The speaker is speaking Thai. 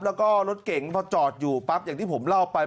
แล้วก็รถเก๋งพอจอดอยู่ปั๊บอย่างที่ผมเล่าไป